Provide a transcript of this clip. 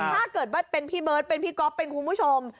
ถ้าเกิดว่าเป็นพี่เบิร์ตเป็นพี่ก๊อฟเป็นคุณผู้ชม